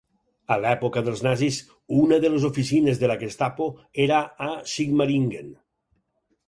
A l'època dels nazis una de les oficines de la Gestapo era a Sigmaringen.